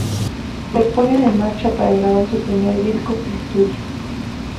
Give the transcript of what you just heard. Se ponen en marcha para grabar su primer disco que estudio.